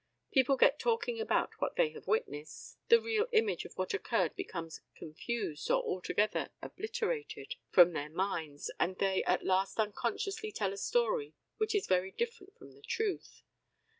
People get talking about what they have witnessed, the real image of what occurred becomes confused or altogether obliterated from their minds, and they at last unconsciously tell a story which is very different from the truth.